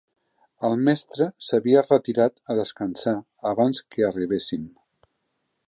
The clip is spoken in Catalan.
El mestre s'havia retirat a descansar abans que arribéssim.